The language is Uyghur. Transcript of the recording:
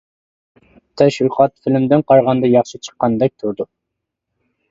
تەشۋىقات فىلىمىدىن قارىغاندا ياخشى چىققاندەك تۇرىدۇ.